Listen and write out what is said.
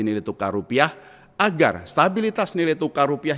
nilai tukar rupiah agar stabilitas nilai tukar rupiah